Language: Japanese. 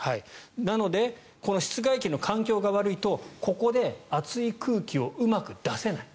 なので、室外機の環境が悪いとここで熱い空気をうまく出せない。